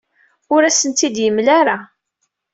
Ur asen-tt-id-yemla ara.